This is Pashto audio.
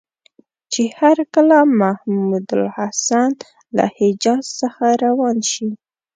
چې هرکله محمودالحسن له حجاز څخه روان شي.